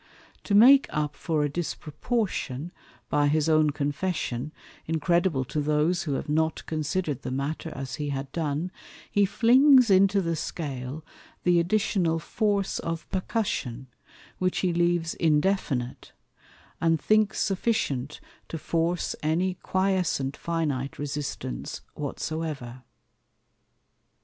To make up for a disproportion, by his own confession, incredible to those who have not consider'd the Matter as he had done, he flings into the Scale the additional Force of Percussion, which he leaves indefinite, and thinks sufficient to force any quiescent finite Resistance whatsoever.